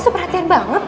super hatian banget